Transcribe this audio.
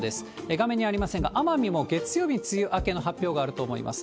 画面にありませんが、奄美も月曜日、梅雨明けの発表があると思います。